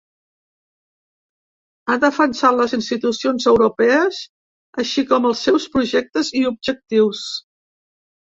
Ha defensat les institucions europees, així com els seus projectes i objectius.